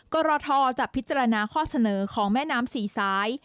กรทจะพิจารณาข้อเสนอของแม่น้ำสี่สาย